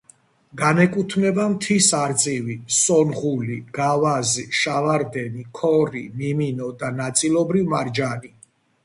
განეკუთვნება მთის არწივი, სონღული, გავაზი, შავარდენი, ქორი, მიმინო და ნაწილობრივ მარჯანი.